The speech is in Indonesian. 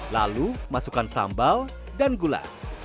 lalu masukkan sambal dan gula